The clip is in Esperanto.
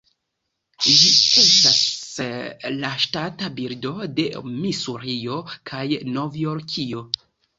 Ĝi estas la ŝtata birdo de Misurio kaj Novjorkio.